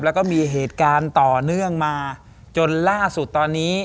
แล้วก็มีเหตุการณ์ต่อเนื่องมาจนล่าสุดตอนนี้